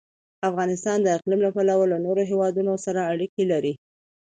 افغانستان د اقلیم له پلوه له نورو هېوادونو سره اړیکې لري.